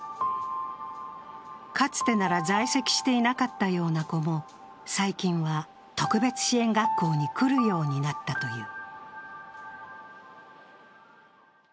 かつてなら在籍していなかったような子も最近は特別支援学校に来るようになったという。